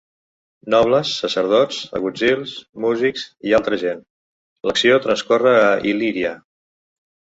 Nobles, sacerdots, agutzils, músics i altra gent. L’acció transcorre a Il·líria.